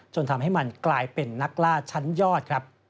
จนทำให้มันกลายเป็นนักล่าชั้นยอดครับ